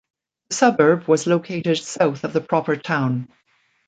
The suburb was located south of the proper town.